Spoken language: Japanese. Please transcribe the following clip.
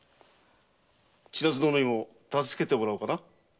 千奈津殿にも助けてもらおうかな？